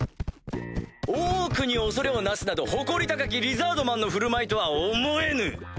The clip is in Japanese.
オークに恐れをなすなど誇り高きリザードマンの振る舞いとは思えぬ。